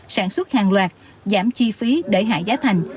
sản xuất hàng loạt giảm chi phí để hạ giá thành